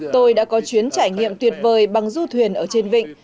tôi đã có chuyến trải nghiệm tuyệt vời bằng du thuyền ở trên vịnh